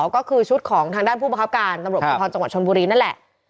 ก็คือชุดของทางด้านผู้ประคับการตำรวจภูทรจังหวัดชนบุรีนั่นแหละ